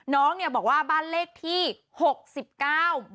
น้องเนี่ยบอกว่าบ้านเลขที่๖๙๑๗๑นะคะ